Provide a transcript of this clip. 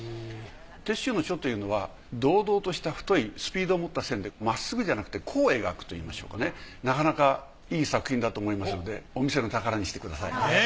鉄舟の書というのは堂々とした太いスピードを持った線でまっすぐじゃなくて弧を描くといいましょうかねなかなかいい作品だと思いますのでお店の宝にしてください。